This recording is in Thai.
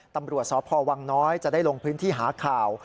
ตำรวจสพวังน้อยจะได้ลงพื้นที่หาข่าว